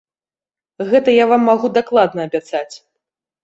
Гэта я вам магу дакладна абяцаць.